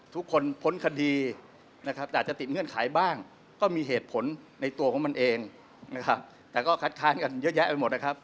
ทุกคนพ้นคดีแต่จะติดเงื่อนขายบ้างก็มีเหตุผลในตัวของมันเองแต่ก็คัดค้านกันเยอะแยะไปหมด